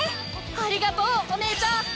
ありがとうお姉ちゃん！